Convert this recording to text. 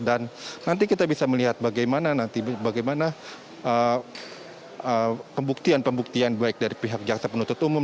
dan nanti kita bisa melihat bagaimana nanti bagaimana pembuktian pembuktian baik dari pihak jaksa penutup umum